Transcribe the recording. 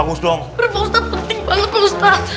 ustaz penting banget